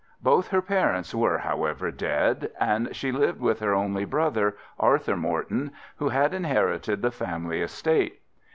Both her parents were, however, dead, and she lived with her only brother, Arthur Morton, who had inherited the family estate.